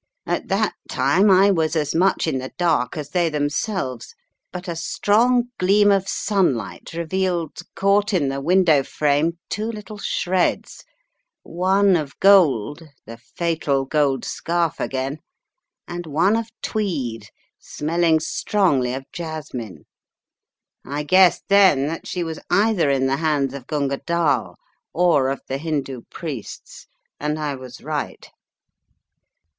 At that time I was as much in the dark as they themselves, but a strong gleam of sunlight revealed caught in the window frame two little shreds, one of gold, the fatal gold scarf again, and one of tweed, smelling strongly of jasmine. I guessed then that she was either in the hands of Gunga Dall or of the Hindoo priests, and I was right.